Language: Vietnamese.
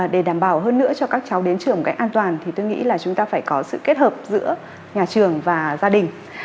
để đảm bảo hơn nữa cho các cháu đến trường một cách an toàn thì tôi nghĩ là chúng ta phải có sự kết hợp giữa nhà trường và gia đình